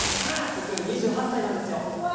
僕２８歳なんですよ。